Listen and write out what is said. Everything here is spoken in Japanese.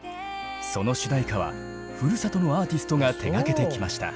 その主題歌はふるさとのアーティストが手がけてきました。